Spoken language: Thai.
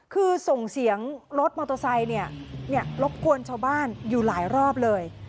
คือส่งเสียงรถมอเตอร์ไซค์รบกวนชาวบ้านอยู่หลายรอบเลย